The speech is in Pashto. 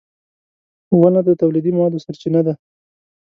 • ونه د تولیدي موادو سرچینه ده.